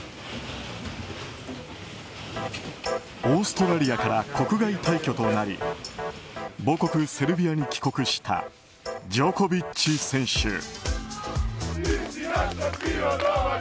オーストラリアから国外退去となり母国セルビアに帰国したジョコビッチ選手。